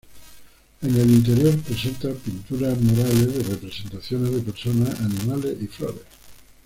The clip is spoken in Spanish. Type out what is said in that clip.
En el interior presenta pinturas murales de representaciones de personas, animales y flores.